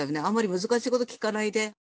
あんまり難しいこと聞かないで。